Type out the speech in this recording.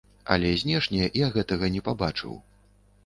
Але знешне я гэтага не пабачыў.